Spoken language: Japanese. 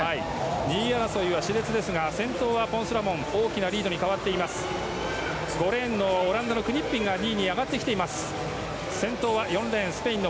２位争い、熾烈ですが先頭のポンス・ラモンは大きなリードに変わっています。